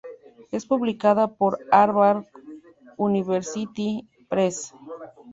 Es publicada por Harvard University Press.